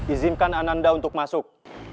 izinkan ananda untuk masuk